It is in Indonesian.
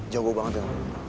jogoh banget ya